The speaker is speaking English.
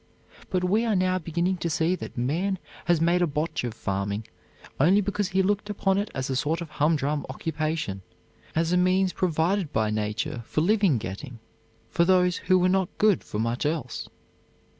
But we are now beginning to see that man has made a botch of farming only because he looked upon it as a sort of humdrum occupation; as a means provided by nature for living getting for those who were not good for much else.